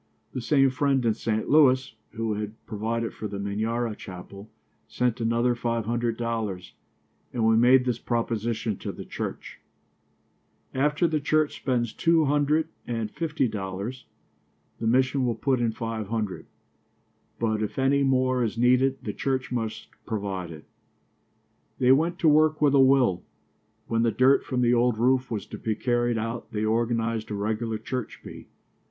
The same friend in St. Louis, who had provided for the Minyara chapel, sent another five hundred dollars, and we made this proposition to the church: "After the church spends two hundred and fifty dollars, the mission will put in five hundred, but if any more is needed the church must provide it." They went to work with a will. When the dirt from the old roof was to be carried out they organized a regular church bee.